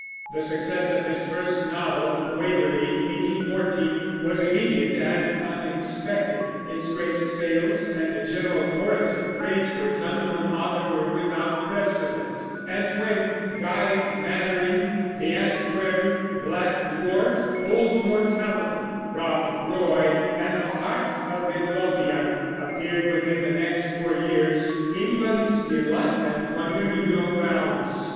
The success of this first novel, Waverley (1814), was immediate and unexpected. Its great sales and the general chorus of praise for its unknown author were without precedent; and when Guy Mannering, The Antiquary, Black Dwarf, Old Mortality, Rob Roy, and The Heart of Midlothian appeared within the next four years, England's delight and wonder knew no bounds.